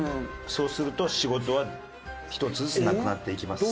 「そうすると仕事は１つずつなくなっていきます」。